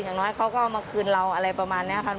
อย่างน้อยเขาก็เอามาคืนเราอะไรประมาณนี้ค่ะ